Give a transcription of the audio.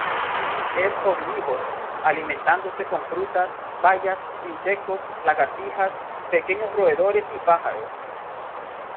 Es omnívoro, alimentándose con frutas, bayas, insectos, lagartijas, pequeños roedores y pájaros.